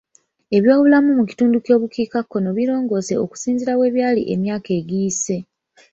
Eby'obulamu mu kitundu ky'obukiikakkono birongoose okusinga bwe byali emyaka egiyise.